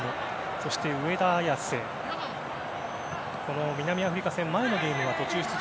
そして上田綺世南アフリカ戦、前のゲームでは途中出場。